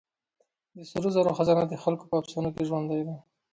د سرو زرو خزانه د خلکو په افسانو کې ژوندۍ ده.